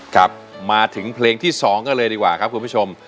ครับมาถึงเพลงที่๒กันเลยดีกว่าครับคุณผู้ชม